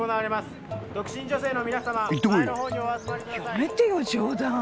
やめてよ冗談。